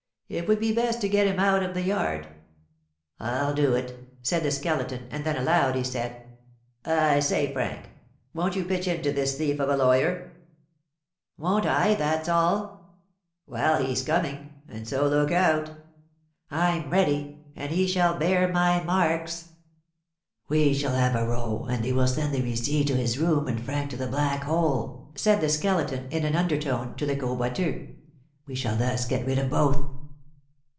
It would be best to get him out of the yard." "I'll do it," said the Skeleton; and then aloud he said, "I say, Frank, won't you pitch into this thief of a lawyer?" "Won't I, that's all!" "Well, he's coming, and so look out." "I'm ready, and he shall bear my marks!" "We shall have a row, and they will send the huissier to his room and Frank to the black hole," said the Skeleton, in an undertone, to the Gros Boiteux; "we shall thus get rid of both."